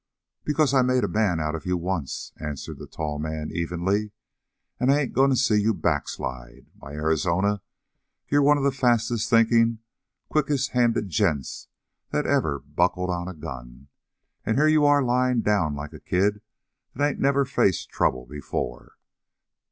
"Because I made a man out of you once," answered the tall man evenly, "and I ain't going to see you backslide. Why, Arizona, you're one of the fastest thinkin', quickest handed gents that ever buckled on a gun, and here you are lying down like a kid that ain't never faced trouble before.